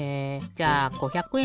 じゃあ５００え